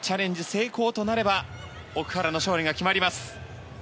成功となれば奥原の勝利が決まります。